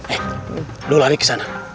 eh lu lari kesana